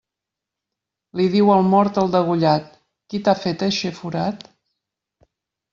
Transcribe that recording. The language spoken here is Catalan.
Li diu el mort al degollat, qui t'ha fet eixe forat?